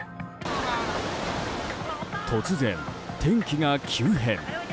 突然、天気が急変。